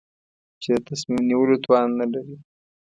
چې د تصمیم نیولو توان نه لري.